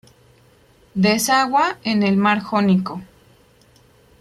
Desagua en el mar Jónico.